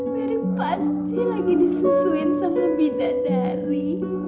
meri pasti lagi disusuin sama bidadari